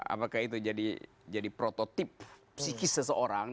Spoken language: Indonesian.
apakah itu jadi prototip psikis seseorang